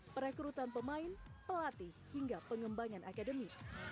perekrutan pemain pelatih hingga pengembangan akademi